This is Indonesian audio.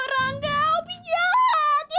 rangga opi jahat